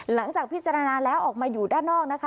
หลังจากพิจารณาแล้วออกมาอยู่ด้านนอกนะคะ